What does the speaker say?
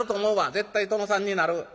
絶対殿さんになる。